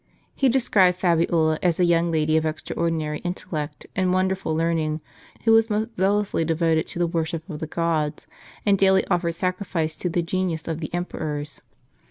He described Fabiola as a young lady of exraordinary intellect and wonderful learning, who was most zealously devoted to the worship of the gods, and daily offered sacrifice to the genius of the emperors.